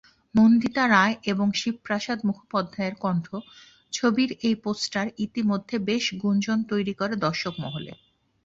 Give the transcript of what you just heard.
নন্দিতা রায় এবং শিবপ্রসাদ মুখোপাধ্যায়ের কণ্ঠ ছবির এই পোস্টার ইতিমধ্যে বেশ গুঞ্জন তৈরি করে দর্শক মহলে।